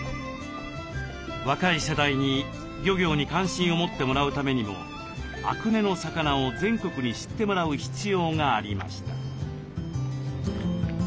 若い世代に漁業に関心を持ってもらうためにも阿久根の魚を全国に知ってもらう必要がありました。